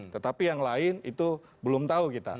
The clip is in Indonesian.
tetapi yang lain itu belum tahu kita